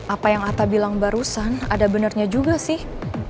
apa yang atta bilang barusan ada benarnya juga sih